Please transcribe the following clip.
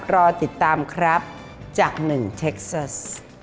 รอติดตามครับจาก๑เท็กซัส